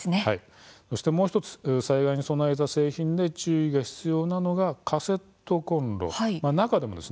もう１つ、災害に備えた製品で注意が必要なのがカセットコンロです。